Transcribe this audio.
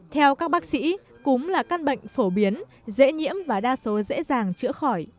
theo các bác sĩ cúm là căn bệnh phổ biến dễ nhiễm và đa số dễ dàng chữa khỏi